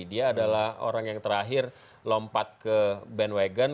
dia adalah orang yang terakhir lompat ke bandwagon